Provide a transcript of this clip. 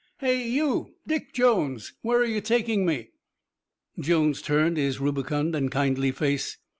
"Hey you, Dick Jones, where are you taking me?" Jones turned his rubicund and kindly face.